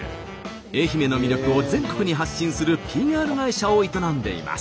愛媛の魅力を全国に発信するＰＲ会社を営んでいます。